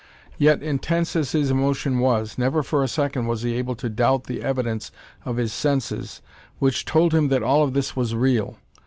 Yet, intense as his emotion was, never for a second was he able to doubt the evidence of his senses which told him that all of this was real.